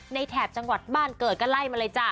แถบจังหวัดบ้านเกิดก็ไล่มาเลยจ้ะ